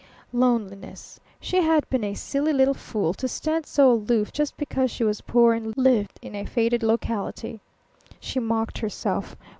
Loneliness. She had been a silly little fool to stand so aloof, just because she was poor and lived in a faded locality. She mocked herself.